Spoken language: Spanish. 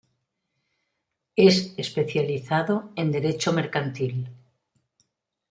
Es especializado en derecho mercantil.